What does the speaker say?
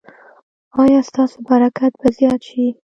ایا ستاسو برکت به زیات شي؟